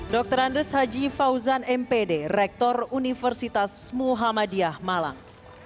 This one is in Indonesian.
dr andes haji fauzan mpd rektor universitas muhammadiyah malang